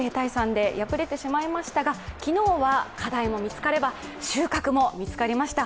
０−３で敗れてしまいましたが昨日は課題も見つかれば収穫も見つかりました。